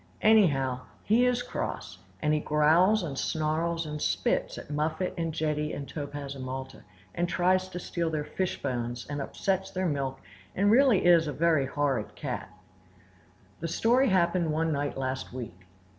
Anyhow, he is cross, and he growls and snarls and spits at Muffet and Jetty and Topaz and Malta, and tries to steal their fishbones, and upsets their milk, and is really a very horrid cat. The story happened one night last week.